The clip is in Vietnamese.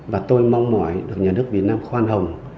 và tôi mong mỏi được nhà nước việt nam khoan hồng